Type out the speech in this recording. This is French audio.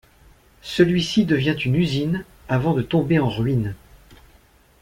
Celui-ci devient une usine avant de tomber en ruines.